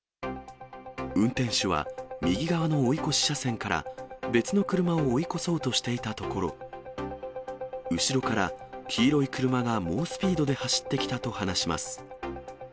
運転手は、右側の追い越し車線から、別の車を追い越そうとしていたところ、後ろから黄色い車が猛スピードで走ってきたと話します。